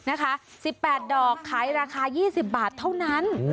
๑๘ดอกขายราคา๒๐บาทเท่านั้น